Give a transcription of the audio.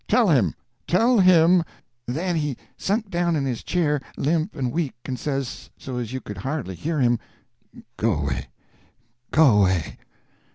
Tell him—tell him—" Then he sunk down in his chair limp and weak, and says, so as you could hardly hear him: "Go away—go away!"